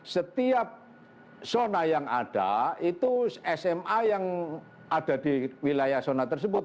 setiap zona yang ada itu sma yang ada di wilayah zona tersebut